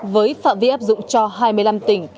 với phạm vi áp dụng cho hai mươi năm tỉnh